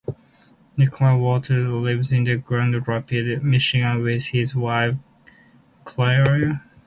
Nicholas Wolterstorff lives in Grand Rapids, Michigan with his wife Claire.